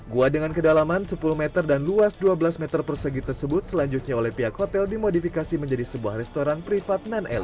gua dengan kedalaman sepuluh meter dan luas dua belas meter persegi tersebut selanjutnya oleh pihak hotel dimodifikasi menjadi sebuah restoran privat non elektronik